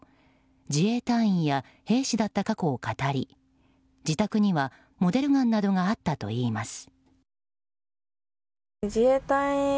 自衛隊員や兵士だった過去を語り自宅にはモデルガンなどがあったといいます。